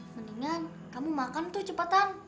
mendingan kamu makan tuh cepatan